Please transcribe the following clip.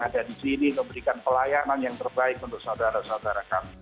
memberikan pelayanan yang terbaik untuk saudara saudara kami